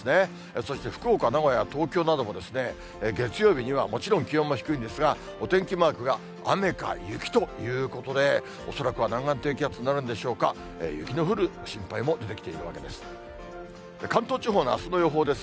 そして福岡、名古屋、東京なども月曜日にはもちろん気温も低いんですが、お天気マークが雨か雪ということで、恐らくは南岸低気圧になるんでしょうか、雪の降る心配も出てきているわけです。